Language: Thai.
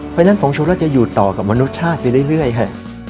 เพราะฉะนั้นผงสุราชจะอยู่ต่อกับมนุษย์ชาติไปเรื่อยค่ะ